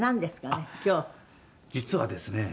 「実はですね